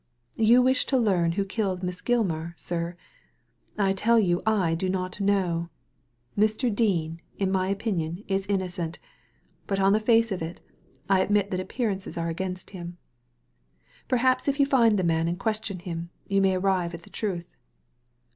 You wish to learn who killed Miss Gilmar, sir? I tell you I do not know I Mr. Dean, in my opinion, is innocent ; but on the face of it, I admit that appearances are against him. Per haps if you find the man and question him you may arrive at the truth."